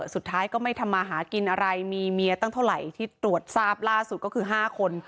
สุดท้ายก็ไม่ทำมาหากินอะไรมีเมียตั้งเท่าไหร่ที่ตรวจทราบล่าสุดก็คือ๕คน